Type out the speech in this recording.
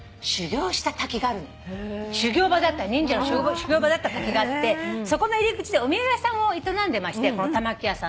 忍者の修行場だった滝があってそこの入り口でお土産屋さんを営んでましてこのたまきやさんってところが。